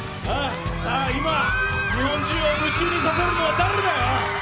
さあ今、日本中を夢中にさせるのは誰だ、おまえ。